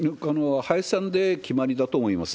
林さんで決まりだと思います。